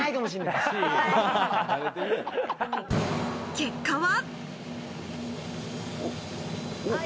結果は？